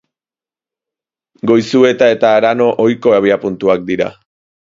Goizueta eta Arano ohiko abiapuntuak dira.